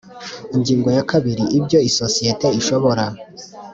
Ingingo ya kabiri Ibyo isosiyete ishobora